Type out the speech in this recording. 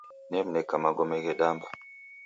Nemneka magome ghedamba.